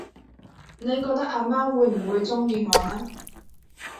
你覺得阿媽會唔會鍾意我呢？